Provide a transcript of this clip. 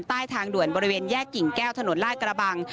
ใต้ทางด่วนบริเวณแยกกิ่งแก้วถนนลาดกระบัง